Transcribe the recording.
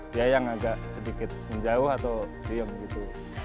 dia yang agak sedikit menjauh atau diem gitu